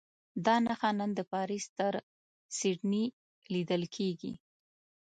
دا نښه نن له پاریس تر سیډني لیدل کېږي.